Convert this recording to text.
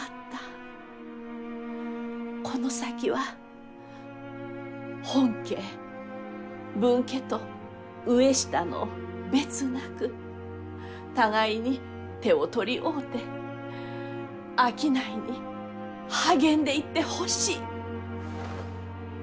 この先は本家分家と上下の別なく互いに手を取り合うて商いに励んでいってほしい！